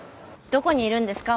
どこにいるんですか？